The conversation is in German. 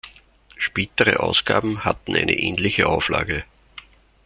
Spätere Ausgaben hatten eine ähnliche Auflage.